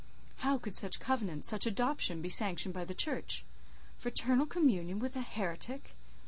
How could such a covenant, such adoption, be sanctioned by the Church? Fraternal communion with a heretic!